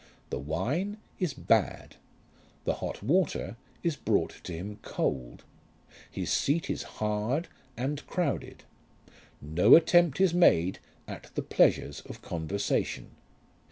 The wine is bad. The hot water is brought to him cold. His seat is hard and crowded. No attempt is made at the pleasures of conversation.